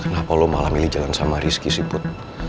kenapa lo malah milih jalan sama rizky sih put